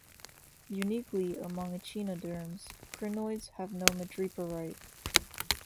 Uniquely among echinoderms, crinoids have no madreporite.